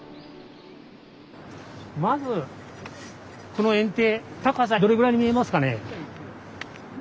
まずこのえん堤高さどれぐらいに見えますかね？